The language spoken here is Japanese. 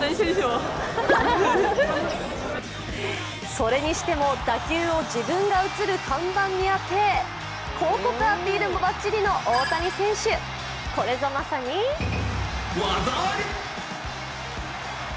それにしても打球を自分が写る看板に当て広告アピールもばっちりの大谷選手、これぞまさに技あり。